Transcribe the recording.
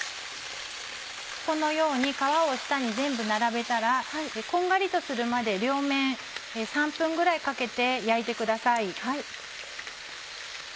このように皮を下に全部並べたらこんがりとするまで両面３分ぐらいかけて焼いてください。